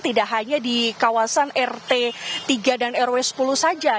tidak hanya di kawasan rt tiga dan rw sepuluh saja